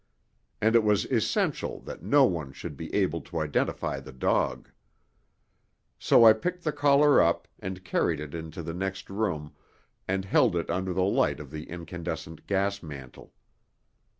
And it was essential that no one should be able to identify the dog. So I picked the collar up and carried it into the next room and held it under the light of the incandescent gas mantle.